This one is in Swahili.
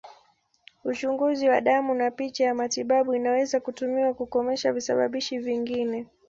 Uchunguzi wa damu na picha ya matibabu inaweza kutumiwa kukomesha visababishi vingine.